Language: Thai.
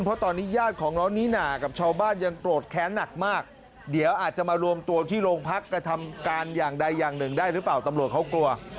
เพราะตอนนี้ญาติของน้องนิน่ากับชาวบ้านยังโกรธแค้นหนักมากเดี๋ยวอาจจะมารวมตัวที่โรงพักกระทำการอย่างใดอย่างหนึ่งได้หรือเปล่าตำรวจเขากลัว